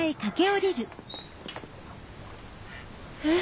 えっ。